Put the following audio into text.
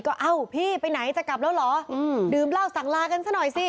ก็เอ้าพี่ไปไหนจะกลับแล้วเหรอดื่มเหล้าสั่งลากันซะหน่อยสิ